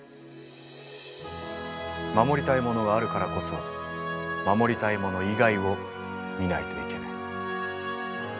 守りたいものがあるからこそ守りたいもの以外を見ないといけない。